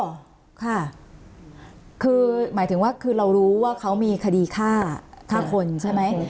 ยี่สิบกว่าปีแล้วอ๋ออ๋อค่ะคือหมายถึงว่าคือเรารู้ว่าเขามีคดีฆ่าฆ่าคนใช่ไหม